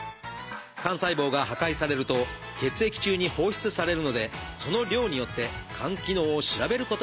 肝細胞が破壊されると血液中に放出されるのでその量によって肝機能を調べることができるんです。